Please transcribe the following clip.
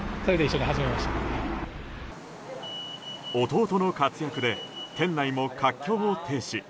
弟の活躍で店内も活況を呈し